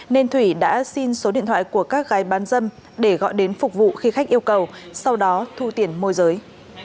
nên thủy đã xin số điện thoại của các gái bán dâm để gọi đến phục vụ khi khách yêu cầu sau đó thu tiền môi giới